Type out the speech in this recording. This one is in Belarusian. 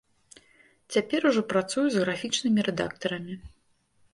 Цяпер ужо працую з графічнымі рэдактарамі.